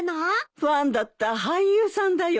ファンだった俳優さんだよ。